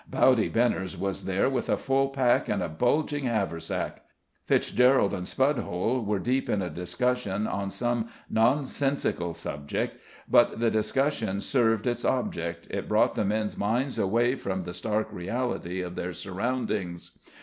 Bowdy Benners was there with a full pack and a bulging haversack. Fitzgerald and Spudhole were deep in a discussion on some nonsensical subject; but the discussion served its object, it brought the men's minds away from the stark reality of their surroundings.